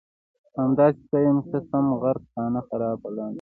همداسې ښه یم ښه سم غرق خانه خراب لاندې